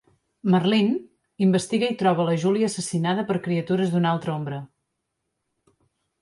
Merlin investiga i troba la Julia assassinada per criatures d'una altra ombra.